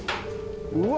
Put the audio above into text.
うわ。